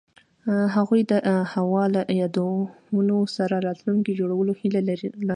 هغوی د هوا له یادونو سره راتلونکی جوړولو هیله لرله.